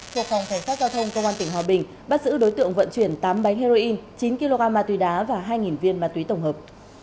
thuộc phòng cảnh sát giao thông công an tỉnh hòa bình bắt giữ đối tượng vận chuyển tám bánh heroin chín kg ma túy đá và hai viên ma túy tổng hợp